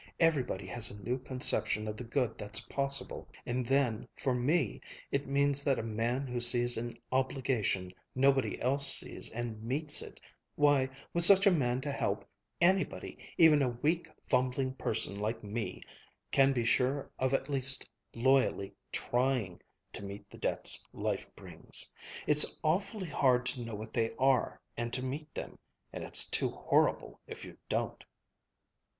Everybody has a new conception of the good that's possible. And then for me, it means that a man who sees an obligation nobody else sees and meets it why, with such a man to help, anybody, even a weak fumbling person like me, can be sure of at least loyally trying to meet the debts life brings. It's awfully hard to know what they are, and to meet them and it's too horrible if you don't."